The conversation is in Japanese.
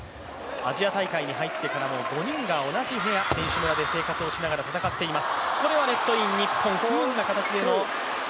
アジア大会に入ってから５人が同じ部屋、選手村で生活をしながら戦っています。